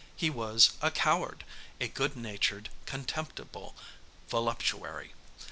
He was a coward, a good natured, contemptible voluptuary.